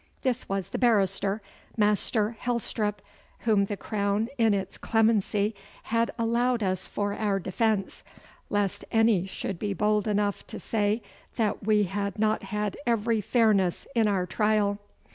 This was the barrister, Master Helstrop, whom the Crown in its clemency had allowed us for our defence, lest any should be bold enough to say that we had not had every fairness in our trial.